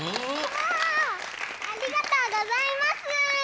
わあありがとうございます！